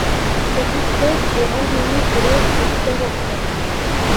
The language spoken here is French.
Cette espèce est endémique de l'Est du Kazakhstan.